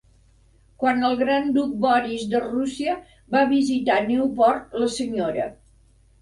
Quan el gran duc Boris de Rússia va visitar Newport, la senyora